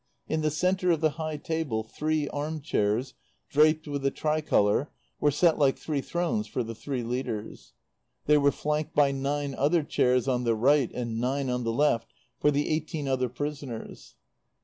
In the centre of the high table three arm chairs, draped with the tricolour, were set like three thrones for the three leaders. They were flanked by nine other chairs on the right and nine on the left for the eighteen other prisoners.